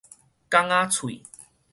港仔喙